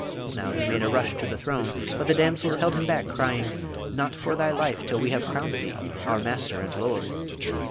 Now, he made a rush to the throne, but the damsels held him back, crying, 'Not for thy life till we have crowned thee, our master and lord!'